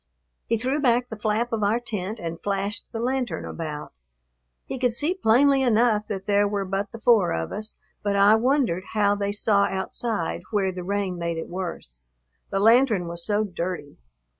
He threw back the flap of our tent and flashed the lantern about. He could see plainly enough that there were but the four of us, but I wondered how they saw outside where the rain made it worse, the lantern was so dirty.